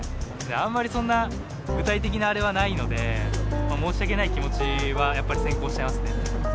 あまり具体的なあれはないので申し訳ない気持ちは先行しちゃいますね。